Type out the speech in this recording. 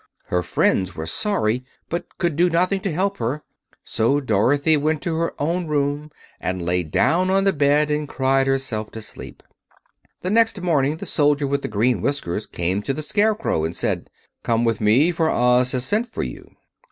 Her friends were sorry, but could do nothing to help her; so Dorothy went to her own room and lay down on the bed and cried herself to sleep. The next morning the soldier with the green whiskers came to the Scarecrow and said: "Come with me, for Oz has sent for you."